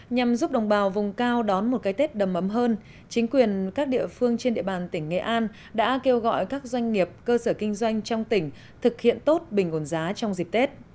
nhằm giúp đồng bào vùng cao đón một cái tết đầm ấm hơn chính quyền các địa phương trên địa bàn tỉnh nghệ an đã kêu gọi các doanh nghiệp cơ sở kinh doanh trong tỉnh thực hiện tốt bình ổn giá trong dịp tết